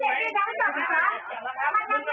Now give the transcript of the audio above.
หอคิวน่าดังนะอ่ะ